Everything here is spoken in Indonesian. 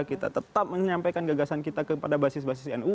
kita tetap menyampaikan gagasan kita kepada basis basis nu